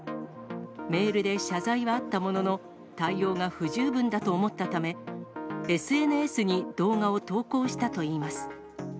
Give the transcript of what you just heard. メールで謝罪はあったものの、対応が不十分だと思ったため、ＳＮＳに動画を投稿したといいます。